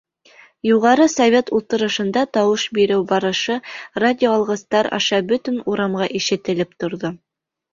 Юғары Совет ултырышында тауыш биреү барышы радиоалғыстар аша бөтөн урамға ишетелеп торҙо.